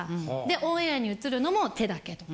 オンエアに映るのも手だけとか。